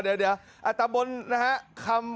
เดี๋ยวตับบนนะครับ